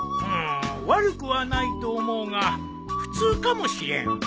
うん悪くはないと思うが普通かもしれん。